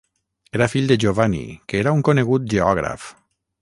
Era fill de Giovanni que era un conegut geògraf.